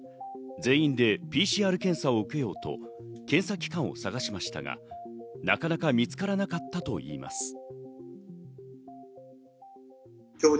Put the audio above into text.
全員でＰＣＲ検査を受けようと検査機関を探しましたが、なかなか見つからなかったといいます。